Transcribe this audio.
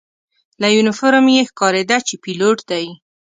له یونیفورم یې ښکارېده چې پیلوټ دی.